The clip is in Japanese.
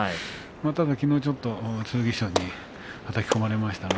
ただきのうはちょっと剣翔にはたき込まれました。